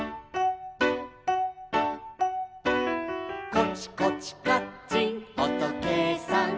「コチコチカッチンおとけいさん」